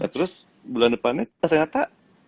terus bulan depannya ternyata